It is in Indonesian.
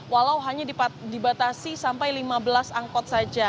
walau hanya dibatasi sampai lima belas angkot saja